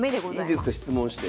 いいですか質問して。